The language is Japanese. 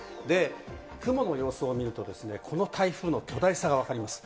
雲の様子を見ると、この台風の巨大さが分かります。